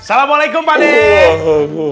assalamualaikum pak deh